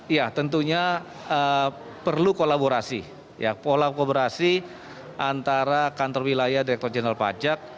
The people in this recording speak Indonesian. ya tentunya perlu kolaborasi ya pola kolaborasi antara kantor wilayah direktur jenderal pajak